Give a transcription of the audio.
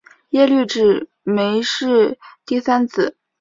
耶律只没是第三子。